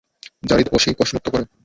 যারীদ অসি কোষমুক্ত করে।